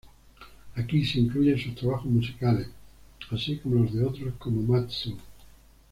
Aquí se incluyen sus trabajos musicales, así como los de otros como Mat Zo.